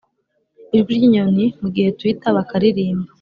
ijwi ryinyoni mugihe twitter bakaririmba,